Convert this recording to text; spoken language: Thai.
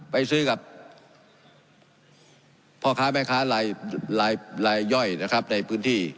ไปซื้อกับพ่อค้าแม่ค้ารายย่อยนะครับในพื้นที่